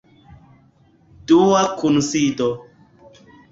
Dua kunsido.